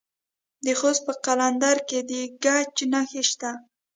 د خوست په قلندر کې د ګچ نښې شته.